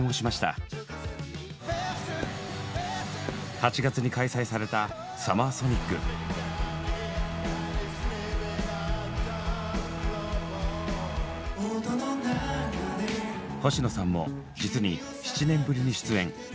８月に開催された星野さんも実に７年ぶりに出演。